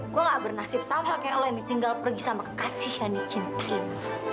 gua gak bernasib sama kayak lu yang ditinggal pergi sama kekasih yang dicintain